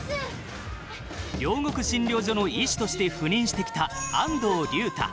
両国診療所の医師として赴任してきた安藤竜太。